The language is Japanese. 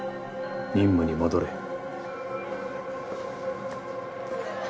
任務に戻れ。